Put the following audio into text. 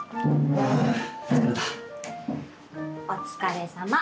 お疲れさま。